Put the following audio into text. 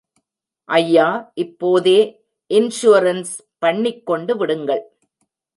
ஐயா இப்போதே இன்ஷூரன்ஸ் பண்ணிக்கொண்டு விடுங்கள்.